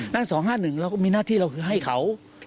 นั่น๒๕๑เราก็มีหน้าที่เราคือให้เขา